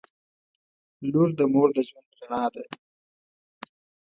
• لور د مور د ژوند رڼا ده.